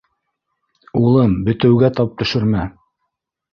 — Улым, бетеүгә тап төшөрмә!